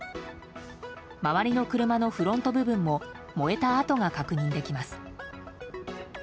周りの車のフロント部分も燃えた跡が確認できます。